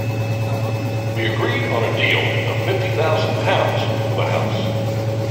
We agreed to a deal of fifty thousand pounds for the house.